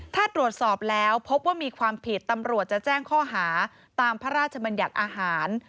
ถ้าตรวจสอบแล้วพบว่ามีความผิดตำรวจจะแจ้งข้อหาตามพระราชบัญญัติอาหาร